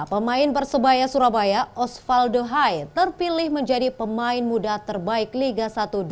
pemain persebaya surabaya osvaldo hai terpilih menjadi pemain muda terbaik liga satu dua ribu